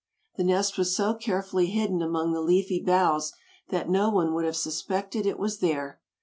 The nest was so carefully hidden among the leafy boughs that no one would have suspected it was there.